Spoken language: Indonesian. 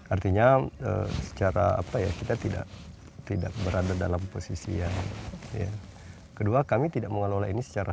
artinya secara apa ya kita tidak tidak berada dalam posisi yang ya kedua kami tidak mengelola ini secara